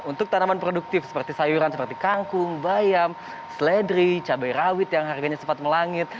untuk tanaman produktif seperti sayuran seperti kangkung bayam seledri cabai rawit yang harganya sempat melangit